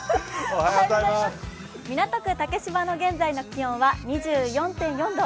港区竹芝の現在の気温は２４．４度。